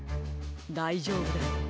だいじょうぶです。